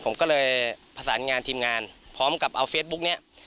ผมก็เลยประสานงานทีมงานพร้อมกับเอาเฟซบุ๊กนี้